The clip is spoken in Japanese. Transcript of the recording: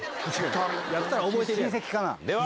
やったら覚えてるやろ。